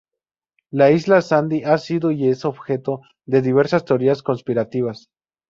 La isla Sandy ha sido y es objeto de diversas teorías conspirativas.